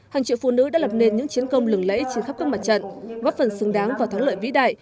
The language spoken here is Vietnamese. hàng triệu phụ nữ đã lập nên những chiến công lừng lẫy trên khắp các mặt trận góp phần xứng đáng và thắng lợi vĩ đại